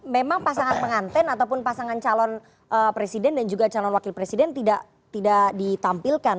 memang pasangan penganten ataupun pasangan calon presiden dan juga calon wakil presiden tidak ditampilkan